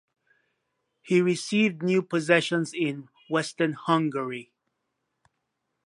He received new possessions in western Hungary.